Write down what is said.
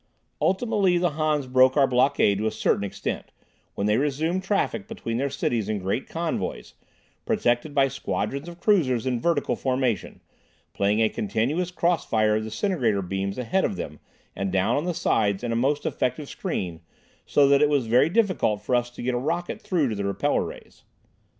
Ultimately the Hans broke our blockade to a certain extent, when they resumed traffic between their cities in great convoys, protected by squadrons of cruisers in vertical formation, playing a continuous cross fire of disintegrator beams ahead of them and down on the sides in a most effective screen, so that it was very difficult for us to get a rocket through to the repeller rays.